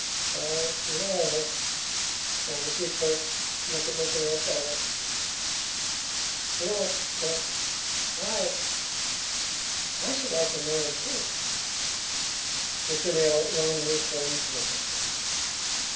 "Well, you know " and the chief clerk looked at Mr. Neal steadily, "you know that I I should like to know him, too." Mr. Neal wrung his friend's hand.